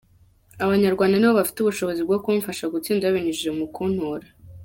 Abanyarwanda nibo bafite ubushobozi bwo kumfasha gutsinda babinyujije mu kuntora.